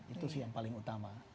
itu sih yang paling utama